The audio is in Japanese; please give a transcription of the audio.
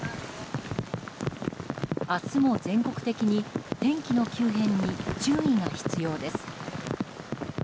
明日も全国的に天気の急変に注意が必要です。